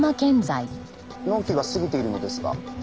納期が過ぎているのですが。